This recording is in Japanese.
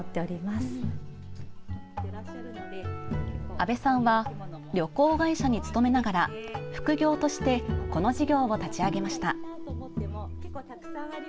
阿部さんは旅行会社に勤めながら副業としてこの事業を立ち上げました。